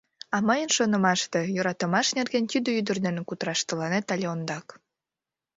— А мыйын шонымаште йӧратымаш нерген тиде ӱдыр дене кутыраш тыланет але ондак.